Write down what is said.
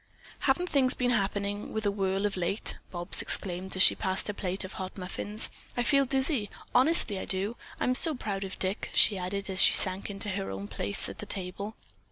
"Haven't things been happening with a whirl of late?" Bobs exclaimed as she passed a plate of hot muffins. "I feel dizzy, honestly I do! I'm so proud of Dick," she added as she sank into her own place at the table.